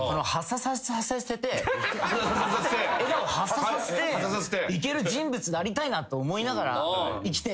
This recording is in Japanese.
笑顔はっささせていける人物でありたいなと思いながら生きてます。